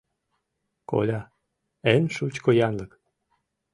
Коля — эн шучко янлык.